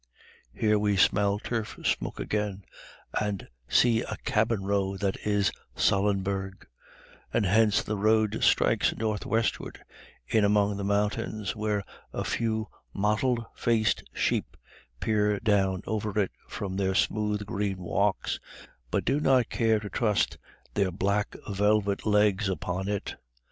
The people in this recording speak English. Here we smell turf smoke again, and see a cabin row that is Sallinbeg, and hence the road strikes north westward in among the mountains, where a few mottled faced sheep peer down over it from their smooth green walks, but do not care to trust their black velvet legs upon it.